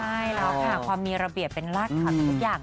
ใช่แล้วค่ะความมีระเบียบเป็นรากฐานทุกอย่าง